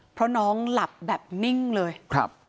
เพราะน้องหลับแบบนิ่งเลยครับ